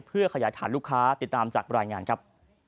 เพื่อขยายฐานลูกค้าติดตามจากรายงานครับ